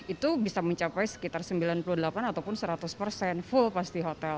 itu bisa mencapai sekitar sembilan puluh delapan ataupun seratus persen full pasti hotel